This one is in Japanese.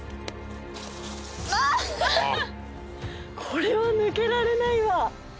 これは抜けられないわ。